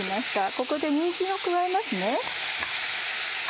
ここでにんじんを加えます。